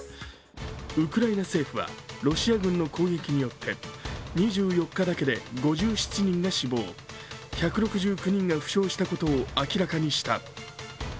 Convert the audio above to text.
ウクライナ政府はロシア軍の攻撃によって２４日だけで５７人が死亡１６９人が負傷したことを明らかにした。